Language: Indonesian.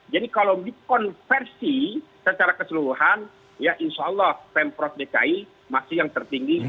jadi kalau dikonversi secara keseluruhan ya insya allah pemprov dki masih yang tertinggi